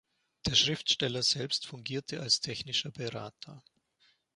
Der Schriftsteller selbst fungierte als technischer Berater.